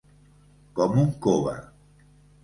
Com un cove.